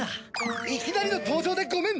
いきなりの登場でごめん。